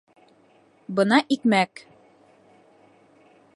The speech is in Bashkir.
Бына икмәк